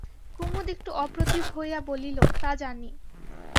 কুমুদ একটু অপ্রতিভ হইয়া বলিল, তা জানি।